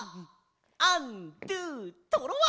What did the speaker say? アンドゥトロワ！